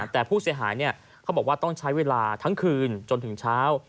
แต่ผู้เสียหายเขาบอกว่าต้องใช้เวลาทั้งคืนจนถึงเช้า